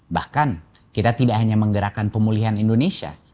bahkan kita tidak hanya menggerakkan pemulihan indonesia